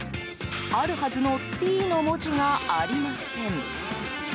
あるはずのＴの文字がありません。